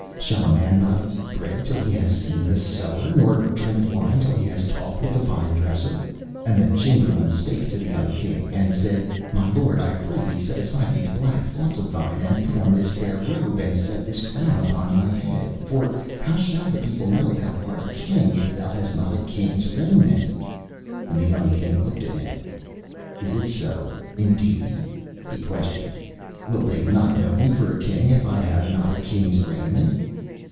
Shall a man not eat bread till he has seen the sower, nor drink wine till he has talked with the vinedresser?' And the Chamberlain spake to the young King, and said, 'My lord, I pray thee set aside these black thoughts of thine, and put on this fair robe, and set this crown upon thy head. For how shall the people know that thou art a king, if thou hast not a king's raiment?' And the young King looked at him. 'Is it so, indeed?' he questioned. 'Will they not know me for a king if I have not a king's raiment?